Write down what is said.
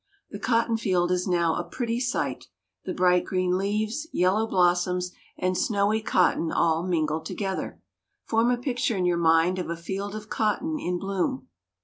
The cotton field is now a pretty sight the bright green leaves, yellow blossoms, and snowy cotton all mingled together. Form a picture in your mind of a field of cotton in bloom.